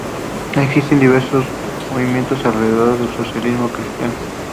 Existen diversos movimientos alrededor del socialismo cristiano.